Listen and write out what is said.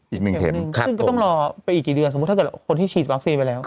อีกหนึ่งเข็มคร่ะชั่นก็ต้องรอ